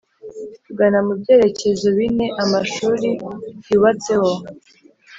tugana mu byerekezo bine amashuri yubatseho.